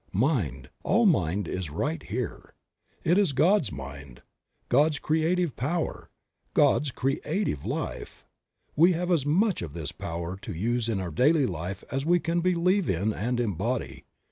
Mind, all Mind is right here. It is God's Mind, God's creative Power, God's creative Life. We have as much of this Power to use in our daily life as we can believe in and embody.